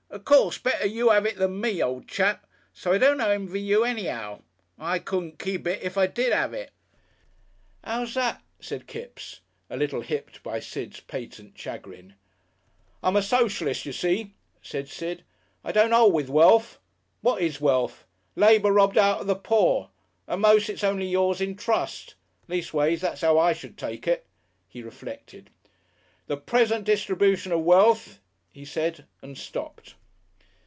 "Of course, better you 'ave it than me, o' chap. So I don't envy you, anyhow. I couldn't keep it, if I did 'ave it." "'Ow's that?" said Kipps, a little hipped by Sid's patent chagrin. "I'm a Socialist, you see," said Sid. "I don't 'old with Wealth. What is Wealth? Labour robbed out of the poor. At most it's only yours in Trust. Leastways, that 'ow I should take it." He reflected. "The Present distribution of Wealth," he said and stopped.